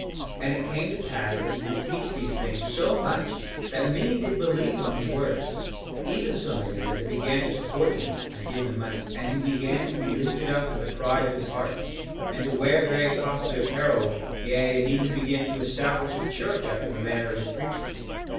1:5 And it came to pass that he did teach these things so much that many did believe on his words, even so many that they began to support him and give him money. 1:6 And he began to be lifted up in the pride of his heart, and to wear very costly apparel, yea, and even began to establish a church after the manner of his preaching.